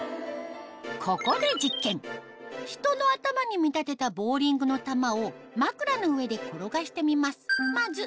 ここで実験人の頭に見立てたボウリングの球をまくらの上で転がしてみます